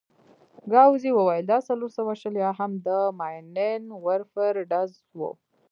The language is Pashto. ګاووزي وویل: دا څلور سوه شل یا هم د ماينين ورفر ډز وو.